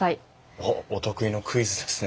おっお得意のクイズですね。